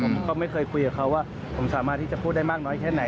ผมก็ไม่เคยคุยกับเขาว่าผมสามารถที่จะพูดได้มากน้อยแค่ไหน